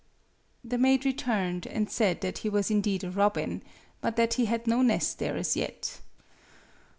The maid returned, and said that he was indeed a robin, but that he had no nest there as yet.